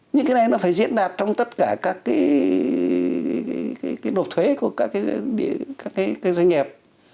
những cái này nó phải diễn đạt trong tất cả các cái đột thuế của các cái doanh nghiệp